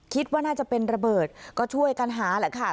คิดว่าน่าจะเป็นระเบิดก็ช่วยกันหาแหละค่ะ